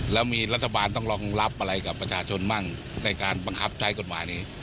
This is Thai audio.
แล้วมีรัฐบาลต้องรองรับอะไรกับประชาชนบ้างในการบังคับใช้กฎหมายนี้